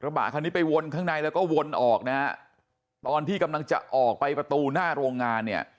บะคันนี้ไปวนข้างในแล้วก็วนออกนะฮะตอนที่กำลังจะออกไปประตูหน้าโรงงานเนี่ย